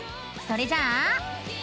それじゃあ。